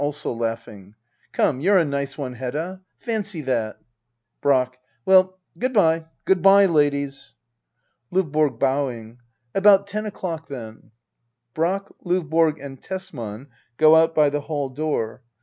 [Also laughing,] Come, you're a nice one Hedda 1 Fancy that ! Brack. Well, good bye, good bye, ladies. LOVBORG. [BofvingJi About ten o'clock, then. [Brack, LOvborg, and Tesman go out hy the hall door.